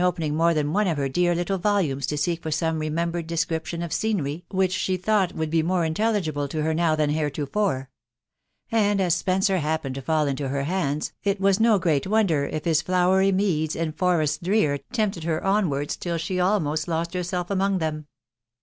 opening more than one of her dear little volumes to seek for some remembered description of scenery which she thought would be more intelligible to her now than heretofore ; and as Spenser happened to fall into her hands, it was no great won* der if his flowery meads and forests drear tempted her onwards till she "imost lost herself among them.